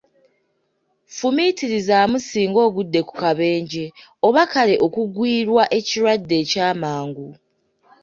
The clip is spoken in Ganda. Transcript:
Fumiitirizaamu singa ogudde ku kabenje, oba kale okugwirwa ekirwadde ekyamangu!